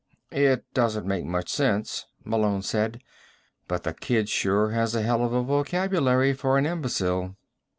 "It doesn't make much sense," Malone said. "But the kid sure has a hell of a vocabulary for an imbecile."